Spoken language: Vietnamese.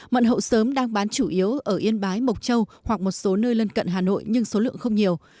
mận hậu sớm đang bán chủ yếu ở yên bái mộc châu hoặc một số nơi lên cận hà nội nhưng số lượng không nhiều